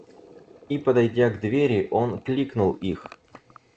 И, подойдя к двери, он кликнул их.